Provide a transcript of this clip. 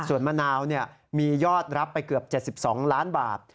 ส่วนมะนาวมียอดรับไปเกือบ๗๒ล้านบาท